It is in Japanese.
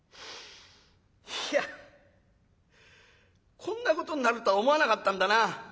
いやこんなことになるとは思わなかったんだな。